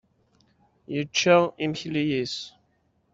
Yečča imekli-is.